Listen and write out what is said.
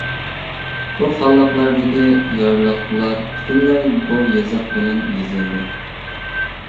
بۇ خانلىقلاردىكى يارلىقلار پۈتۈنلەي بۇ يېزىق بىلەن يېزىلدى.